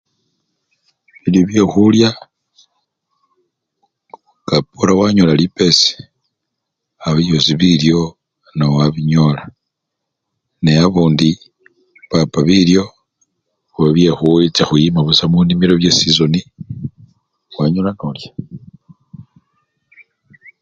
bilyo byekhulya nga pora wanyola lipesii awo byosii bilyo nao wabinyola ne abundi papa bilyo khuba byekhucha khuyima saa munimilo bye sizoni wanyola nolya